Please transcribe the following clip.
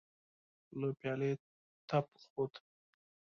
له پيالې تپ خوت.